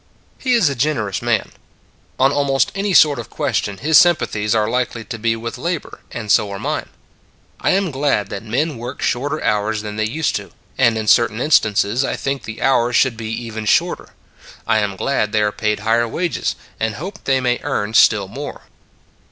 He is a generous man. On almost any sort of question his sympathies are likely to be with labor, and so are mine. I am glad that men work shorter hours than they used to, and in certain instances I think the hours should be even shorter. I am glad they are paid higher wages, and hope they may earn still more.